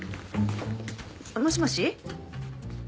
もしもし。